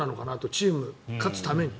チームが勝つために。